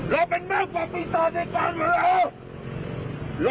เราเป็นมากกว่าผีต่อในการเวลา